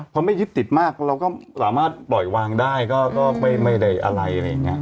พอไม่ยึดติดมากเราก็สามารถปล่อยวางได้ก็ไม่ได้อะไรอะไรอย่างนี้